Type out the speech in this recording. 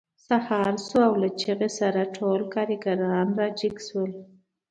سهار شو او له چیغې سره ټول کارګران راجګ شول